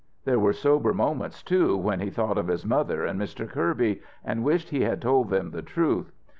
There were sober moments, too, when he thought of his mother and Mr. Kirby, and wished he had told them the truth.